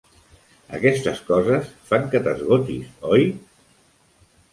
Aquestes coses fan que t'esgotis, oi?